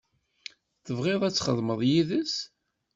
Tebɣiḍ ad txedmeḍ yid-s.